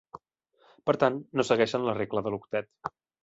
Per tant, no segueixen la regla de l'octet.